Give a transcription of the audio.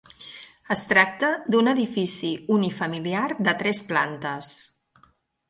Es tracta d'un edifici unifamiliar de tres plantes.